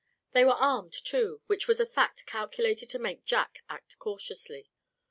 They were armed, too, which was a fact calculated to make Jack act cautiously.